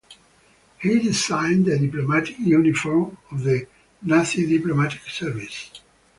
He designed the diplomatic uniform of the Nazi diplomatic service.